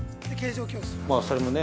それもね。